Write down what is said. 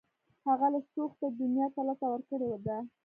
هغه له سوخته دنیا ته لته ورکړې ده